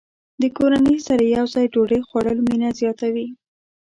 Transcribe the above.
د کورنۍ سره یوځای ډوډۍ خوړل مینه زیاته وي.